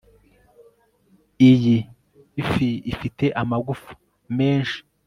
Iyi fi ifite amagufwa menshi